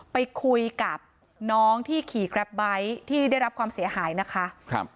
ไปคุยกับน้องที่ขี่แกรปไบท์ที่ได้รับความเสียหายนะคะครับ